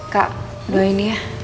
kak doain ya